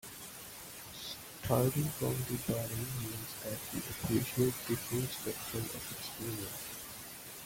Starting from the bottom means that you appreciate the full spectrum of experience.